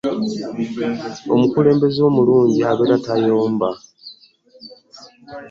omukulembeze omulungi abeera tayomba